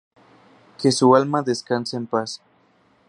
Que su alma descanse en paz".